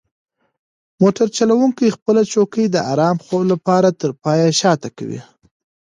موټر چلونکی خپله چوکۍ د ارام خوب لپاره تر پایه شاته کوي.